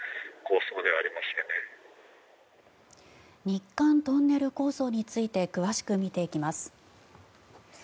日韓トンネル構想について詳しく見ていきます。